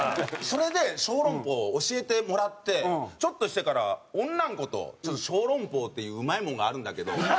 それで小籠包を教えてもらってちょっとしてから女の子と「ちょっと小籠包っていううまいものがあるんだけど」。